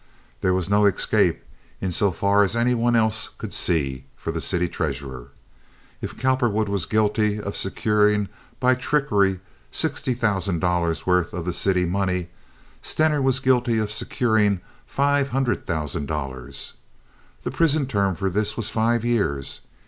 There was no escape in so far as any one could see for the city treasurer. If Cowperwood was guilty of securing by trickery sixty thousand dollars' worth of the city money, Stener was guilty of securing five hundred thousand dollars. The prison term for this was five years.